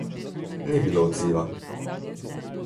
Ni bilo odziva.